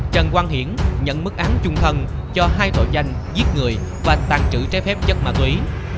trần quang hiển nhận mức án trung thân cho hai tội danh giết người và tàn trữ trái phép chất ma túy